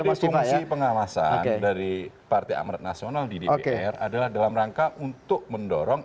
jadi fungsi pengamasan dari partai amret nasional di dpr adalah dalam rangka untuk mendorong